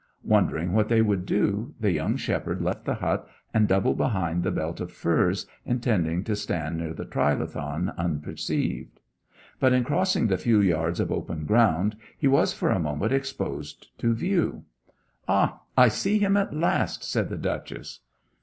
Wondering what they would do, the young shepherd left the hut, and doubled behind the belt of furze, intending to stand near the trilithon unperceived. But, in crossing the few yards of open ground he was for a moment exposed to view. 'Ah, I see him at last!' said the Duchess.